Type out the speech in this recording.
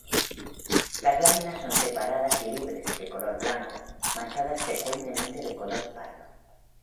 Las láminas son separadas y libres, de color blanco, manchadas frecuentemente de color pardo.